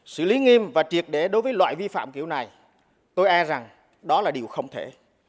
xử lý nghiêm và triệt để đối với loại vi phạm kiểu này tôi e rằng đó là điều không thể